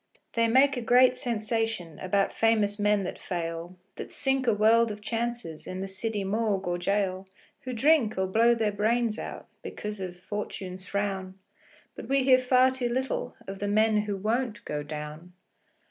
They make a great sensation About famous men that fail, That sink a world of chances In the city morgue or gaol, Who drink, or blow their brains out, Because of "Fortune's frown". But we hear far too little Of the men who won't go down.